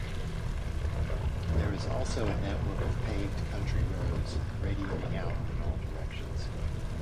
There is also a network of paved country roads radiating out in all directions.